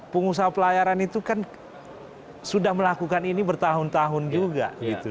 pengusaha pelayaran itu kan sudah melakukan ini bertahun tahun juga gitu